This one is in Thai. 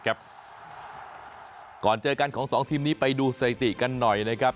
ก่อนเจอกันของสองทีมนี้ไปดูสถิติกันหน่อยนะครับ